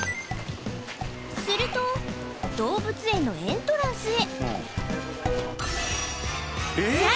すると動物園のエントランスへさあ